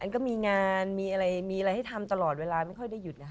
ก็มีงานมีอะไรให้ทำตลอดเวลาไม่ค่อยได้หยุด